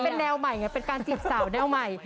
เป็นแนวใหม่ไงเป็นการจีบสาวแนวใหม่